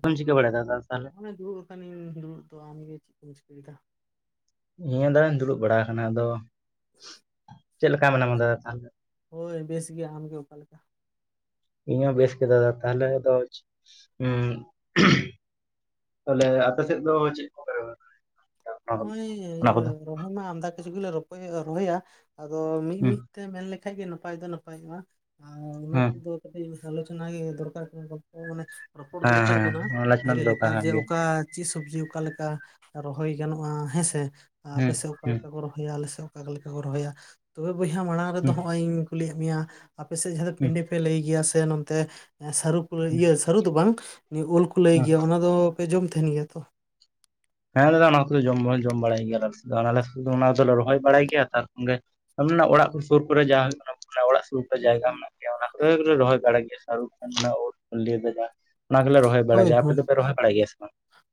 ᱠᱩᱢ ᱪᱤᱠᱟᱹ ᱵᱟᱲᱮ [inaudible] ᱛᱞᱮ ᱟᱱᱤᱧ ᱫᱩᱲᱩᱵ ᱫᱚ ᱟᱢᱜᱮ ᱪᱮᱫ ᱠᱚᱢ ᱪᱤᱠᱟᱹᱭᱮᱫᱟ ᱱᱤᱭᱟᱹ ᱫᱟᱧ ᱫᱩᱲᱩᱵ ᱵᱟᱲᱟ ᱟᱠᱟᱱᱟ ᱟᱫᱚ ᱪᱮᱫᱮ ᱞᱮᱠᱟ ᱢᱮᱱᱟᱢᱟ ᱫᱟᱫᱟ ᱛᱟᱦᱚᱞᱮ ᱦᱳᱭ ᱵᱮᱥ ᱜᱮᱭᱟ ᱟᱢᱜᱮ ᱚᱠᱟᱮ ᱞᱮᱠᱟ ᱤᱧ ᱦᱚᱸ ᱵᱮᱥ ᱠᱮᱫ ᱫᱟᱫᱟ ᱛᱟᱦᱞᱮ ᱟᱫᱚ ᱛᱟᱦᱚᱞᱮ ᱟᱯᱮ ᱥᱮᱫ ᱫᱚ ᱪᱮᱫ ᱠᱚ ᱠᱚ ᱦᱚᱜ ᱚᱭᱤᱭᱟᱹ ᱨᱚᱦᱚᱭ ᱢᱟ ᱟᱢᱫᱟ ᱠᱤᱪᱷᱩ ᱜᱮᱞᱮ ᱨᱚᱦᱚᱭᱟ ᱟᱫᱚ ᱢᱤᱫ ᱦᱩᱸ ᱢᱤᱫ ᱛᱮ ᱢᱮᱱ ᱞᱮᱠᱷᱟᱡ ᱜᱮ ᱱᱟᱯᱟᱭ ᱫᱚ ᱱᱟᱯᱟᱭᱚᱜᱼᱟ ᱟᱨ ᱚᱱᱟ ᱦᱩᱸ ᱠᱚᱫᱚ ᱟᱞᱳᱪᱱᱟ ᱫᱚᱨᱠᱟᱨ ᱠᱟᱱᱟ ᱢᱟᱱᱮ ᱨᱚᱯᱚᱲ ᱦᱮᱸ ᱫᱚᱨᱠᱟᱨ ᱦᱮᱸ ᱠᱟᱱᱟ ᱚᱱᱟ ᱞᱟᱡᱱᱟᱜ ᱵᱷᱟᱜᱮ ᱫᱚ ᱞᱮᱠᱟ ᱠᱟᱱ ᱡᱮ ᱜᱮᱭᱟ ᱚᱠᱟ ᱪᱮᱫ ᱥᱚᱵᱡᱤ ᱚᱠᱟᱞ ᱞᱮᱠᱟ ᱨᱚᱦᱚᱭ ᱜᱟᱱᱚᱜᱼᱟ ᱦᱮᱸᱥᱮ ᱦᱩᱸ ᱟᱯᱮᱥᱮᱫ ᱚᱠᱟᱮ ᱦᱩᱸ ᱞᱮᱠᱟ ᱠᱚᱚᱦ ᱨᱚᱦᱚᱭᱟᱞᱮ ᱥᱮ ᱚᱠᱟ ᱞᱮᱠᱟ ᱠᱚ ᱨᱚᱦᱚᱭᱟ ᱛᱚᱵᱮ ᱵᱚᱭᱦᱟ ᱢᱟᱲᱟᱝ ᱨᱮᱫᱚ ᱦᱩᱸ ᱱᱚᱜᱼᱚᱭ ᱤᱧ ᱠᱩᱞᱤᱭᱮᱫ ᱢᱮᱭᱟ ᱟᱯᱮ ᱥᱮᱫ ᱡᱟᱦᱟᱸ ᱦᱩᱸ ᱯᱤᱰᱤ ᱯᱮ ᱞᱟᱹᱭ ᱜᱮᱭᱟ ᱥᱮ ᱱᱚᱛᱮ ᱥᱟᱹᱨᱩ ᱠᱚ ᱤᱭᱟᱹ ᱥᱟᱹᱨᱩ ᱫᱚ ᱵᱟᱝ ᱩᱞ ᱠᱚ ᱞᱟᱹᱭ ᱦᱩᱸ ᱜᱮᱭᱟ ᱚᱱᱟ ᱫᱚ ᱯᱮ ᱡᱚᱢ ᱛᱟᱦᱮᱱ ᱜᱮᱭᱟ ᱛᱚ ᱦᱮᱸ ᱫᱟᱫᱟ ᱚᱱᱟ ᱠᱚ ᱡᱚᱢ ᱡᱚᱢ ᱵᱟᱲᱟᱭ ᱜᱮᱭᱟᱮᱞᱮ ᱥᱩᱩ ᱚᱱᱟ ᱫᱚᱞᱮ ᱨᱚᱦᱚᱭ ᱵᱟᱲᱟᱭ ᱜᱮᱭᱟ ᱛᱟᱨᱠᱷᱚᱱᱮ ᱚᱲᱟᱜ ᱠᱚ ᱥᱩᱨ ᱠᱚᱨᱮ ᱡᱟᱦᱟᱸ ᱦᱩᱭᱩᱜ ᱠᱟᱱᱟ ᱚᱲᱟᱜ ᱥᱩᱨ ᱨᱮ ᱡᱟᱭᱜᱟ ᱢᱮᱱᱟᱜᱼᱟ᱾ ᱚᱱᱟ ᱠᱚᱫᱚ ᱜᱮᱞᱮ ᱨᱚᱦᱚᱭ ᱵᱟᱲᱟᱭ ᱜᱮᱭᱟ ᱥᱩᱠ ᱩᱴ ᱫᱚ ᱚᱱᱟ ᱜᱮᱞᱮ ᱨᱚᱦᱚᱭ ᱵᱟᱲᱟᱭ ᱦᱳᱭ ᱦᱳᱭ ᱜᱮᱭᱟᱯᱮ ᱫᱚ ᱯᱮᱮᱨᱚᱦᱟ ᱵᱟᱲᱟᱭ ᱜᱮᱭᱟᱢᱟ